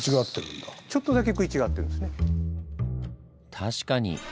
確かに。